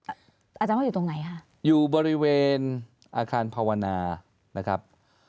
อาจารย์ว่าอยู่ตรงไหนค่ะอยู่บริเวณอาคารภาวนานะครับ